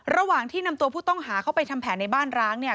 ระหว่างที่นำตัวผู้ต้องหาเข้าไปทำแผนในบ้านร้างเนี่ย